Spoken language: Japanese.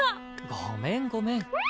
ごめんごめん。